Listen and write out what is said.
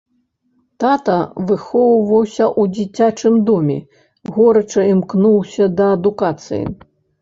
Тата выхоўваўся ў дзіцячым доме, горача імкнуўся да адукацыі.